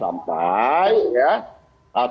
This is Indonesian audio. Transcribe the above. sampai ya atau